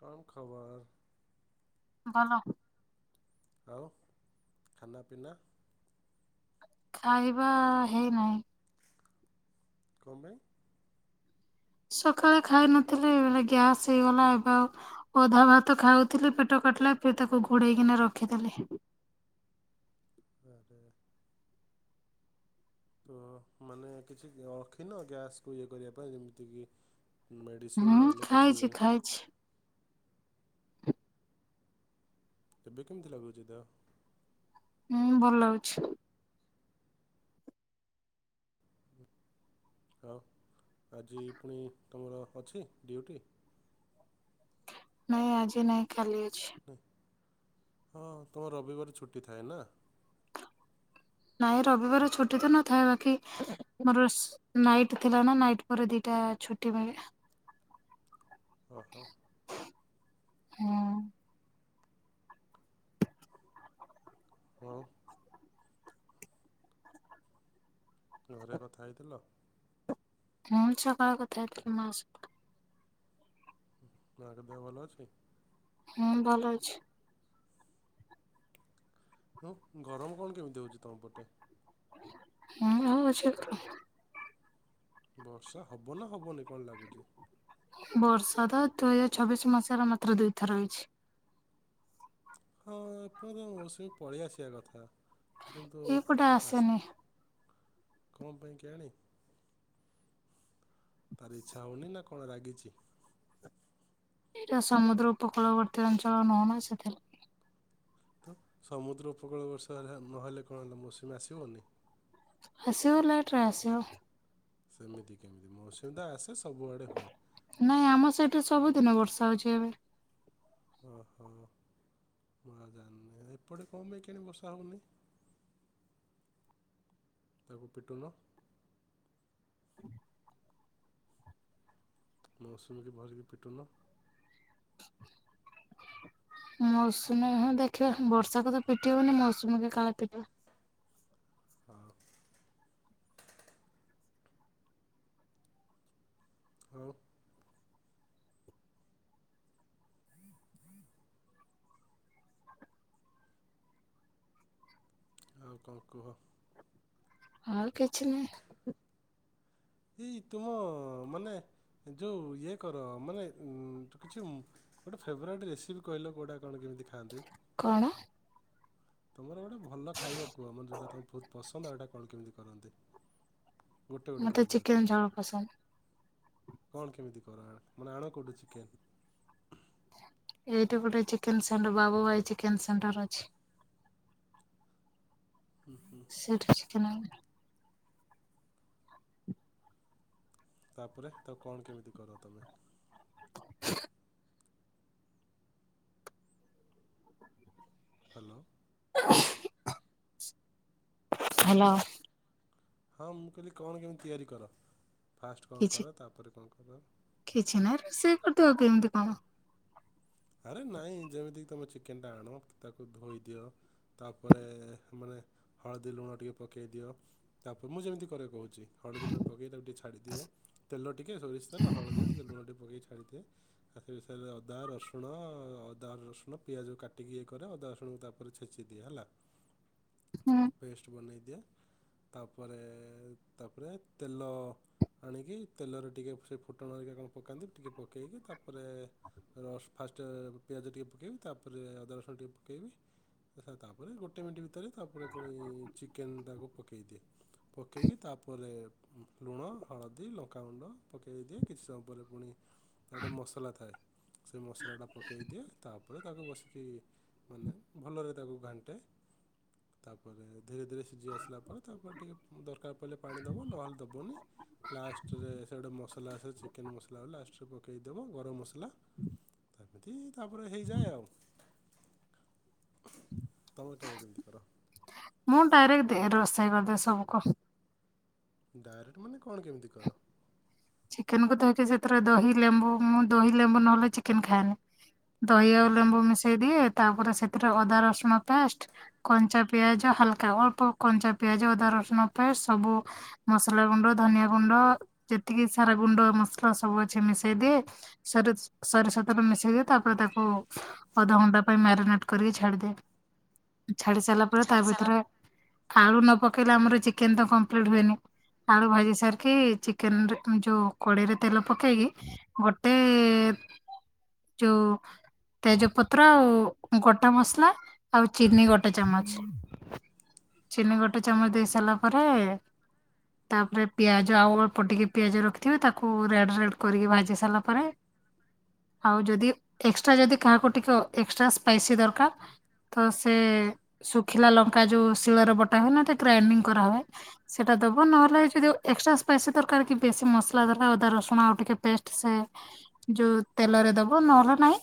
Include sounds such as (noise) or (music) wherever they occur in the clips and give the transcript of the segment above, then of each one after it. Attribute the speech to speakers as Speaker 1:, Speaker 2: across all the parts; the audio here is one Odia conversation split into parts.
Speaker 1: କଣ ଖବର?
Speaker 2: ଭଲ।
Speaker 1: ଆଉ ଖାନା ପିନା?
Speaker 2: ଖାଇବା ହେଇନାହିଁ।
Speaker 1: କଣ ପାଇଁ?
Speaker 2: ସକାଳେ ଖାଇନଥିଲେ ଗ୍ୟାସ୍ ହେଇଗଲା, ଏବେ ଆଉ ଅଧା ଭାତ ଖାଉଥିଲୀ ପେଟ କାଟିଲା ଫେରେ ତାକୁ ଘୋଡ଼େଇକିନା ରଖିଦେଲି।
Speaker 1: ହଁ ହଁ। ତ ମାନେ କିଛି ରଖିନ ଗ୍ୟାସ୍ କୁ ଇଏ କରିବା ପାଇଁ ଯେମିତିକି ମେଡ଼ିସିନ୍
Speaker 2: ହୁଁ
Speaker 1: ନହେଲେ କିଛି
Speaker 2: ଖାଇଛି ଖାଇଛି
Speaker 1: ଏବେ କେମତି ଲାଗୁଚି ଦେହ?
Speaker 2: ଉଁ ଭଲ ଲାଗୁଛି।
Speaker 1: ହଉ ଆଜି ପୁଣି ତୁମର ଅଛି ଡିୟୁଟି?
Speaker 2: ନାଇଁ ଆଜି ନାଇଁ କାଲି ଅଛି।
Speaker 1: ହଁ ତୁମ ରବିବାର ଛୁଟି ଥାଏ ନାଁ?
Speaker 2: ନାଇଁ ରବିବାର ଛୁଟି ତ ନଥାଏ ବାକି ମୋର ସ୍ ନାଇଟ୍ ଥିଲା ନା ନାଇଟ ପରେ ଦିଟା ଅ ଛୁଟି ମିଳେ।
Speaker 1: ଓହୋ।
Speaker 2: ହୁଁ।
Speaker 1: ଆଉ ଘରେ କଥା ହେଇଥିଲ?
Speaker 2: ହଁ ଛକାଳେ କଥା ହେଇଥିଲି ମା ସହିତ।
Speaker 1: ମାଙ୍କ ଦେହ ଭଲ ଅଛି?
Speaker 2: ହୁଁ ଭଲ ଅଛି।
Speaker 1: ଆଉ ଗରମ କଣ କେମିତି ହୋଉଚି ତମ ପଟେ?
Speaker 2: ହଁ ହୋଉଛି ଏପଟେ।
Speaker 1: ବର୍ଷା ହବ ନାଁ ହବନି କଣ ଲାଗୁଚି?
Speaker 2: ବର୍ଷା ତ ଦୁଇ ହ ଛବିଶ ମସିହାରେ ମାତ୍ର ଦୁଇଥର ହେଇଛି।
Speaker 1: ହଁ ଏପନ୍ତ ମୌସୁମୀ ପଳିଆସିବା କଥା। କିନ୍ତୁ
Speaker 2: ଏଇ ପଟେ ଆସେନି।
Speaker 1: କଁ ପାଇଁ କେୟାଣି? ତାର ଇଚ୍ଛା ହଉନି ନାଁ କଣ ରାଗିଚି।
Speaker 2: ଏଇଟା ସମୁଦ୍ର ଉପକୂଳବର୍ତ୍ତୀ ଅଞ୍ଚଳ ନୁହଁ ନାଁ ସେଥିଲା
Speaker 1: ତ ସମୁଦ୍ର ଉପକୂଳ ବର୍ଷା ନହେଲେ କଣ ହେଲା ମୌସୁମୀ ଆସିବନି?
Speaker 2: ଆସିବ ଲେଟ୍ ରେ ଆସିବ।
Speaker 1: ସେମିତି କେମିତି ମୌସୁମୀ ତ ଆସେ ସବୁଆଡ଼େ ହୁଏ।
Speaker 2: ତ ସବୁଦିନ ବର୍ଷା ହଉଚି ଏବେ।
Speaker 1: ଓହୋ ମୁଁ ଆ ଜାଣିନି ଏପଟେ କ ମାଇଁ କେୟାଣି ବର୍ଷା ହୋଉନେଇ। (inaudible) ତାକୁ ପିଟୁନ। ମୌସୁମୀକି ଭଲିକି ପିଟୁନ। (inaudible)
Speaker 2: ମୌସୁମୀ ହଁ ଦେଖିବା ବର୍ଷାକୁ ତ ପିଟି ହୋଉନି ମୌସୁମୀ କି କାଳେ ପିଟିିବା।
Speaker 1: ହଉ। ହଉ। ଆଉ କଁ କୁହ।
Speaker 2: ଆଉ କିଛି ନୁହେଁ।
Speaker 1: ହେଇ ତୁମ ମାନେ ଯୋଉ ଇଏ କର ମାନେ ଉଁ କିଛି ଗୋଟେ ଫେବରାଇଟ୍ ରେସିପି କହିଲେ କଉଟା। କଣ କେମତି ଖାଆନ୍ତି?
Speaker 2: କଣ
Speaker 1: ତମର ଗୋଟେ ଭଲ ଖାଇବା କୁହ ମ ଯୋଉଟା ତମ ଭୋଉତ ପସନ୍ଦ ଆଉ ଏଟା କଣ କେମିତି କରନ୍ତି। ଗୋଟେ ଗୋଟେ
Speaker 2: ମତେ
Speaker 1: କରି ପୁରା
Speaker 2: ଚିକେନ୍
Speaker 1: କହିବ
Speaker 2: ଛୋଳ ପସନ୍ଦ।
Speaker 1: କଣ କେମତି କର ମାନେ ଆଣ କୋଉଠୁ ଚିକେନ୍?
Speaker 2: ଏଇଠି ଗୋଟେ ଚିକେନ୍ ସେଣ୍ଟ୍ ବାବୁ ଭାଇ ଚିକେନ୍ ସେଣ୍ଟର୍ ଅଛି। ସେଇଠି ଚିକେନ୍ ଆଣିମି।
Speaker 1: ତାପରେ ତାକୁ କଣ କେମିତି କର ତମେ? ହାଲୋ।
Speaker 2: ହାଲୋ।
Speaker 1: ହଁ ମୁଁ କହିଲି କଣ କେମିତି ତିଆରି କର ଫାଷ୍ଟ୍ କଣ
Speaker 2: କିଛି
Speaker 1: କର ତାପରେ କଣ କର?
Speaker 2: କିଛି ନାହିଁ ରୋଷେଇ କରୁଥିବ କେମିତି କଣ?
Speaker 1: ଆରେ ନାଇଁ ତାପରେ ମାନେ ହଳଦୀ ଲୁଣ ଟିକେ ପକେଇ ଦିଅ ତାପରେ ମୁଁ ଯେମିତି କରେ କହୁଛି। ହଳଦୀ ଲୁଣ ପକେଇ ତାକୁ ଟିକେ ଛାଡିଦିଏ ତେଲ ଟିକେ ସୋରିଷ ତେଲ ହଳଦୀ ଟିକେ ଲୁଣ ଟିକେ ପକେଇ ଛା ଛାଡିଦିଏ (unintelligible) ଅଦା ରସୁ ସୁଣ ଅଦା ରସୁଣ ପିଆଜ କାଟିକି ଇଏ କରେ ଅଦା ରସୁଣକୁ ତାପରେ ଛେଚି ଦିଏ ହେଲା।
Speaker 2: ହୁଁ।
Speaker 1: ପେଷ୍ଟ୍ ବନେଇ ଦିଏ। ତାପରେ ତାପରେ ତେଲ ଆଣିକି ତେଲରେ ଟିକେ ସେ ଫୁଟଣହେରିକା କଣ ପକାନ୍ତି ଟିକେ ପକେଇକି ତାପରେ ରସ ଫାଷ୍ଟ ପିଆଜ ଟିକେ ପକେଇବି ତାପରେ ଅଦା ରସୁଣ ଟିକେ ପକେଇବି। ଆଚ୍ଛା ତାପରେ ଗୋଟେ ମିଣ୍ଟି ଭିତରେ ତାପରେ ପୁଣି ଚିକେନ ଟାକୁ ପକେଇ ଦିଏ ପକେଇକି ତାପ ତାପରେ ଲୁଣ ହଳଦୀ ଲଙ୍କାଗୁଣ୍ଡ ପକେଇ ଦିଏ କିଛି ସମୟ ପରେ ପୁଣି ତାର ଗୋଟେ ମସଲା ଥାଏ। ସେ ମସଲାଟା ପକେଇଦିଏ ତାପରେ ତାକୁ ବସିକି ମାନେ ଭଲରେ ତାକୁ ଘାଣ୍ଟେ। ତାପରେ ଧୀରେ ଧୀରେ ସିଝି ଆସିଲା ପରେ ତାପରେ ଟିକେ ଦରକାର ପଡ଼ିଲେ ପାଣି ଦବ ନହେଲେ ଦବନି। ଲାଷ୍ଟରେ ସେ ଗୋଟେ ମସଲା ଆସେ ଚିକେନ ମସଲା ବୋଲି ଲାଷ୍ଟରେ ପକେଇଦବ ଗରମ ମସଲା। ଏମିତି ତାପରେ ହେଇଯାଏ ଆଉ। ତମେ କେମିତି କର?
Speaker 2: ମୁଁ ଡାଇରେକ୍ଟ (unintelligible) କରିଦେ ସବୁ କ
Speaker 1: ଡାଇରେକ୍ଟ ମାନେ କଣ କେମିତି କର?
Speaker 2: ଚିକେନକୁୁ ଧୋଇକି ସେଥିରେ ଦହି ଲେମ୍ବୁ ମୁଁ ଦହି ଲେମ୍ବୁ ନହେଲେ ଚିକେନ ଖାଏନି। ଦହି ଆଉ
Speaker 1: ଓହୋ
Speaker 2: ଲେମ୍ବୁ ମିଶେଇ ଦିଏ। ତାପରେ ସେଥିରେ ଅଦା ରସୁଣ ପେଷ୍ଟ କଞ୍ଚା ପିଆଜ ହାଲକା ଅଳ୍ପ କଞ୍ଚା ପିଆଜ ଅଦା ର ଶୁଣ ପେଷ୍ଟ ସବୁ ମସଲା ଗୁଣ୍ଡ ଧନିଆ ଗୁଣ୍ଡ ଯେ ତିିକି ସାରା ଗୁଣ୍ଡ ମସଲା ସବୁ ଅଛି ମିଶେଇ ଦିଏ ସରି ସୋରିଷ ତେଲ ମିଶେଇ ଦିଏ ତାପରେ ତାକୁ ଅଧଘଣ୍ଟା ପାଇଁ ମ୍ୟାରିନେଟ କରିକି ଛାଡିଦିଏ।
Speaker 1: (inaudible)
Speaker 2: ଛାଡି ସାରିଲା ପରେ ତା
Speaker 1: ଛାଡ଼ି ସାରିଲା
Speaker 2: ଭିତେରେ ଆଳୁ ନ ପକେଇଲେ ଆମର ଚିକେନ ତ କମ୍ପ୍ଲିଟ ହୁଏନି ଆଳୁ ଭାଜି ସାରିକି ଚିକେନରେ ଯୋଉ କଡେଇରେ ତେଲ ପକେଇକି ଗୋଟେ ଯୋଉ ତେଜପତ୍ର ଆଉ ଗୋଟା ମସଲା ଆଉ ଚିନି ଗୋଟେ ଚାମଚ। ଚିନି ଗୋଟେ ଚାମଚ ଦେଇ ସାରିଲା ପରେ ତାପରେ ପିଆଜ ଆଉ ଅଳ୍ପ ଟିକେ ପିଆଜ ରଖିଥିବେ ତାକୁ ରେଡ ରେଡ କରିକି ଭାଜି ସାରିଲା ପରେ ଆଉ ଯଦି ଏକ୍ସଟ୍ରା ଯଦି କାହାକୁ ଟିକେ ଏକ୍ସଟ୍ରା ସ୍ପାଇସି ଦରକାର ତ ସେ ଶୁଖିଲା ଲଙ୍କା ଯୋଉ ଶିଳରେ ବଟା ହୁଏ ନା ଗ୍ରାଇଣ୍ଡିଙ୍ଗ କରା ହୁଏ ସେଟା ଦବୁ ନହେଲେ ଏଠି ଜଉ ଏକ୍ସଟ୍ରା ସ୍ପାଇସି ଦରକାର କି ବେଶୀ ମସଲା (unintelligible) ଅଦା ରସୁଣ ଆଉ ଟିକେ ପେଷ୍ଟ ସେ ଯୋଉ ତେଲରେ ଦବୁ ନହେଲେ ନାହିଁ।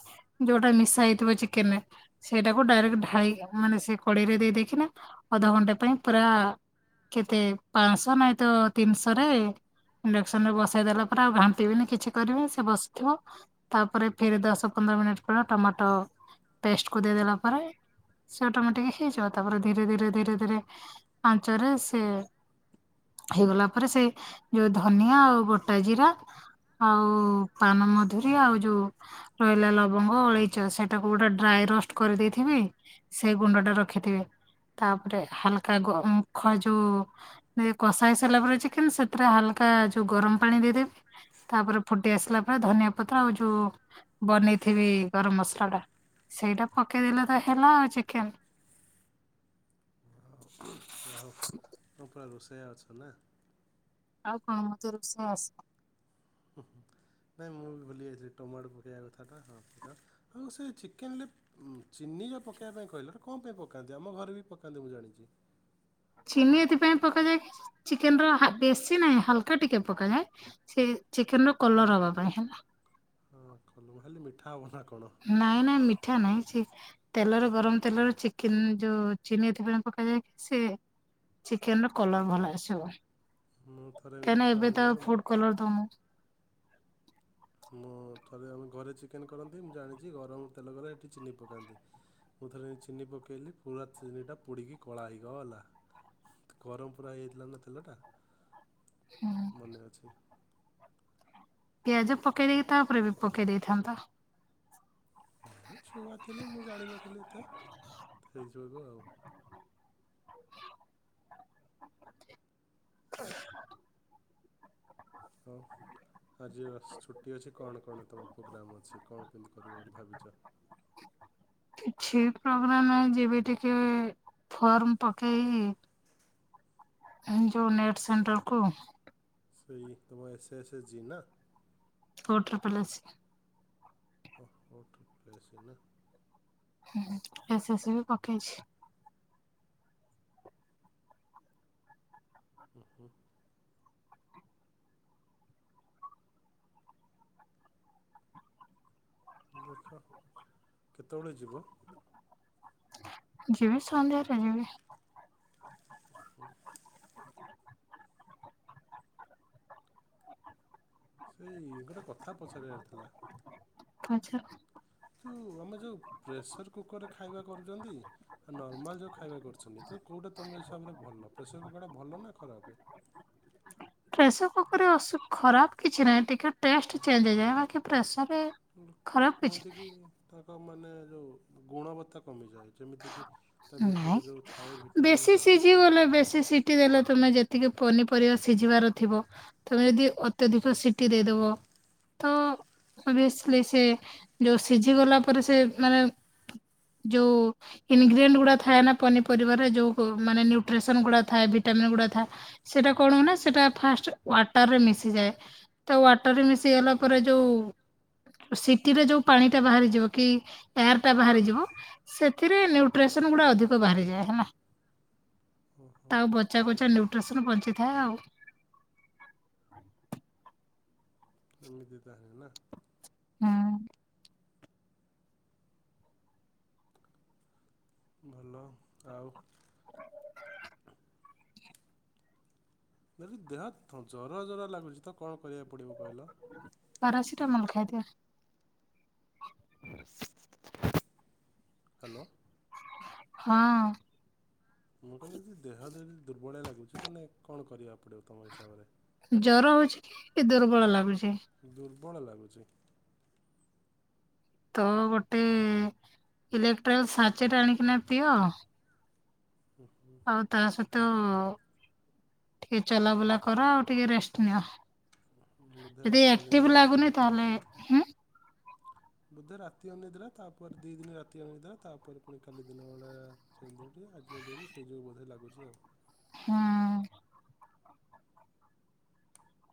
Speaker 2: ଯୋଉଟା ମିଶା ହେଇଥିବ ଚିକେନ ରେ ସେଇଟାକୁ ଡାଇରେକ୍ଟ ଢାଳି କି ମାନେ ସେ କଡେଇ ରେ ଦେଇଦେଇକିନା ଅଧଘଣ୍ଟା ପାଇଁ ପୁରା କେତେ ପାଶହ ନାଇଁ ତ ତିନିଶରେ ଇଣ୍ଡକ୍ସନ ରେ ବସେଇଦେଲା ପରେ ଆଉ ଘାଣ୍ଟିବିନି କିଛି କରିବି ସେ ବସିଥିବ ତାପରେ ଫିରି ଦସ ପନ୍ଦର ମିନିଟ୍ ପରେ ଟମାଟୋ ପେଷ୍ଟ କୁ ଦେଇଦେଲା ପରେ ସେ ଅଟୋମେଟିକ ହେଇଯିବ ତାପରେ ଧୀରେ ଧୀରେ ଧୀରେ ଧୀରେ ଆଞ୍ଚରେ ସେ ହେଇଗଲା ପରେ ସେ ଯୋଉ ଧନିଆ ଆଉ ଗୋଟା ଜିରା ଆଉ ପାନମଧୁରୀ ଆଉ ଯୋଉ ରହିଲା ଲବଙ୍ଗ ଅଳେଇଚ ସେଇଟାକୁ ଗୋଟେ ଡ୍ରାଏ ରଷ୍ଟ କରିଦେଇଥିବି ସେଇ ଗୁଣ୍ଡ ଟା ରଖିଥିବେ। ତାପରେ ହାଲକା ଗ ମୁଖ ଯୋଉ କଷା ହେଇ ସାରିଲା ପରେ ଚିକେନ ସେ ପୁରା ହାଲକା ଯୋଉ ଗରମ ପାଣି ଦେଇଦେବି। ତାପରେ ଫୁଟି ଆସିଲା ପରେ ଧନିଆ ପତ୍ର ଆଉ ଯୋଉ ବନେଇଥିବି ଗରମ ମସଲା ଟା ସେଇଟା ପକେଇଦେଲେ ତ ହେଲା ଆଉ ଚିକେନ।
Speaker 1: ହ ସେ ଅଛ ନା?
Speaker 2: ଆଉ କଣ ମତେ ରୋଷେଇ ଆସ
Speaker 1: ହୁ ହୁ। ନାଇଁ ମୁଁ ବି ଭୁଲି ଯାଇଥିଲି ଟମାଟୋ ପକେଇବା କଥାଟା ହଁ ଆଉ ସେ ଚିକେନରେ ଚି (unintelligible)
Speaker 2: ଚିନି ଏଥିପାଇଁ ପକାଯାଏକି? ଚିକେନ ର ହା ବେଶୀ ନାହିଁ ହାଲକା ଟିକେ ପକାଯାଏ। ସେ ଚିକେନ ର କଲର ହବା ପାଇଁ ହେଲା।
Speaker 1: ହଁ କଲୁ ଖାଲି ମିଠା ହବନା।
Speaker 2: ନାଇଁ ନାଇଁ ମିଠା ନାହିଁ ସେ ତେଲର ଗରମ ତେଲର ଚିକେନ ଯୋଉ ଚିନି ଏଥିପାଇ ପକାଯାଏ କି ସେ ଚିକେନ ର କଲର ଭଲ ଆସିବ।
Speaker 1: ମୁଁ ଥରେ ଏମିତି
Speaker 2: କାହିଁକ ଏବେ ତ
Speaker 1: ଛୁଆବେଳେ
Speaker 2: ଫୁଡ କଲର ଦଉନୁ।
Speaker 1: ମୁଁ ଥରେ ଆମେ ଘରେ ଚିକେନ କରନ୍ତି। ମୁଁ ଜାଣିଛି ଗରମ ତେଲରେ କଲେ ଏଠି ଚିନି ପକାନ୍ତି। ମୁଁ ଥରେ ଚିନି ପକେଇଲି ପୁରା ଚିନିଟା ପୋଡ଼ିକି କଳା ହୋଇକ ଗଲା। ଗରମ ପୁରା ହେଇଯାଇଥିଲା ନା ତେଲ ଟା ମନେ ଅଛି।
Speaker 2: ପିଆଜ ପକେଇ ଦେଇକି ତାଓପରେ ବି ପକେଇ ଦେଇଥାନ୍ତ।
Speaker 1: ଛୁଆ ଥିଲି ମୁଁ ଜାଣିନଥିଲି ଏତେ ହେଇଯିବାକୁ ଆଉ।
Speaker 2: ହ
Speaker 1: ହଉଁ। ଆଜି ଆଶ୍ ଛୁଟି ଅଛି କଣ କଣ ତମର ପ୍ରୋଗ୍ରାମ ଅଛି। କଣ କେମିତି କରିବ ବୋଲି ଭାବିଛ।
Speaker 2: କିଛି ପ୍ରୋଗ୍ରାମ ନାଇ ଯିବି ଟିକେ ଫର୍ମ ପକେଇ ଏନ ଯୋଉ ନେଟ ସେଣ୍ଟର କୁ।
Speaker 1: ସେଇ ତମ S A S S G ନା?
Speaker 2: ଫୋର୍ଥର ପଲେଶି
Speaker 1: ହୋ ହୋର୍ତ ପ୍ଲେସ ନା?
Speaker 2: ହୁଁ ଏସ ଏସି ବି ପକେଇଛି।
Speaker 1: ହୁ ହୁ। ଦେଖ କେତେବେଳେ ଯିବ?
Speaker 2: ଯିବି ସନ୍ଧ୍ୟାରେ ଯିବି।
Speaker 1: ହୁଁ। ସେଇ ଗୋଟେ କଥା ପଚାରିବାର ଥିଲା।
Speaker 2: ଆଛା।
Speaker 1: ଯେଉଁ ଆମେ ଯେଉଁ ପ୍ରେସର କୁକରରେ ଖାଇବା କରୁଛନ୍ତି। ଆଉ ନର୍ମାଲ ଯେଉଁ ଖାଇବା କରୁଛନ୍ତି ତ କଉ ତମ ହିସାବରେ ଭଲ ପ୍ରେସର କୁକରଟା ଭଲ ନା ଖରାପ?
Speaker 2: ପ୍ରେସର କୁକରରେ ଅଶୁ ଖରାପ କିଛି ନାହିଁ। ଟିକେ ଟେଷ୍ଟ ଚେଞ୍ଜ ହେଇଯାଏ ବାକି ପ୍ରେସର
Speaker 1: ଲୋକ କୁହନ୍ତି କି ତାଙ୍କ ମାନେ ଯୋଉ ଗୁଣବତ୍ତା କମିଯାଏ। ଯେମିତିକି ତା
Speaker 2: ନାଇଁ
Speaker 1: ଭିତରେ ଯେଉଁ ଥାଏ ଭିଟାମିନ୍
Speaker 2: ବେଶୀ
Speaker 1: ହେରିକା
Speaker 2: ସିଝିଗଲେ ବେଶୀ ସିଟି ଦେଲେ ତମେ ଯେତ ତୀକି ପନିପରିବା ସିଝିବାର ଥିବ ତମେ ଯଦି ଅତ୍ୟଧିକ ସିଟି ଦେଇଦବ ତ ଓଭିଅସଲି ସେ ଯୋଉ ସିଝି ଗଲା ପରେ ସେ ମାନେ ଯଉ ଇନଗ୍ରିଡିଏଣ୍ଟ ଗୁଡା ଥାଏ ନା ପନିପରରେ ଯୋଉ ମାନେ ନିଉଟ୍ରେସନ ଗୁଡା ଥାଏ ଭିଟାମନ୍ ଗୁଡା ଥାଏ ସେଇଟା କଣ ହୁଏ ନା ସେଟା ଫାଷ୍ଟ ୱାଟର ରେ ମିଶିଯାଏ ତ ୱାଟର ରେ ମିଶି ଗଲା ପରେ ଯୋଉ ଉ ସିଟିରେ ଯୋଉ ପାଣି ଟା ବାହାରି ଯିବ କି ଏୟାର ଟା ବାହାରିଯିବ ସେ ଏଥିରେ ନ୍ୟୁଟ୍ରିସନ ଗୁଡା ଅଧିକ ବାହାରିଯାଏ ହେଲା।
Speaker 1: ଓହୋ
Speaker 2: ତ ଆଉ ବଚା କୁଚା ନିଉ ଟ୍ରସନ ବଞ୍ଚିଥାଏ ଆଉ।
Speaker 1: ଏମିତି ତାହାଲେ ନା?
Speaker 2: ହଁ।
Speaker 1: ଭଲ ଆଉ ଦେ ଦେହ ଜର ଜର ଲାଗୁଛି ତ କଣ କରିବାକୁ ପଡ଼ିବ କହିଲ?
Speaker 2: ପାରାସିଟାମଲ ଖାଇଦେ
Speaker 1: (unintelligible) ହାଲୋ
Speaker 2: ହଁ
Speaker 1: ମୁଁ କହିଲି କି ଦେହ ଯଦି ଦୁର୍ବଳିଆ ଲାଗୁଛି ତାନେ କଣ କରିବାକୁ ପଡିବ ତମ ହିସାବରେ
Speaker 2: ଏ ଦୁର୍ବଳ ଲାଗୁଛି
Speaker 1: ଦୁର୍ବଳ ଲାଗୁଛି
Speaker 2: ତ ଗୋଟେ ଇଲେକ୍ଟ୍ର ସଚେଟ ଆଣିକିନା ପିଅ
Speaker 1: (inaudible)
Speaker 2: ତ ଟିକେ ଚଲାବୁଲା କର, ଆଉ ଟିକେ ରେଷ୍ଟ ନିଅ
Speaker 1: ବୋଧେ
Speaker 2: ଯଦି
Speaker 1: ରାତି ଅନିଦ୍ରା
Speaker 2: ଏକଟିଭ ଲାଗୁନି,
Speaker 1: ଯୋଗୁଁ
Speaker 2: ତାହଲେ ହୁଁ
Speaker 1: ବୋଧେ ରାତି ଅନିଦ୍ରା, ତାପରେ ଦି ଦିନ ରାତି ଅନିଦ୍ରା, ତାପରେ ପୁଣି କାଲି ଦିନ ବେଳେ ଆଜି (unintelligible)
Speaker 2: ହଁ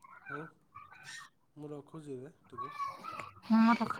Speaker 1: (unintelligible)
Speaker 2: (unintelligible)
Speaker 1: ମୁଁ ରଖୁଛି ଏ ବେ ଟିକେ
Speaker 2: ହଁ ରଖ